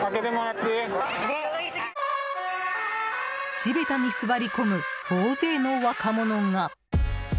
地べたに座り込む大勢の若者が。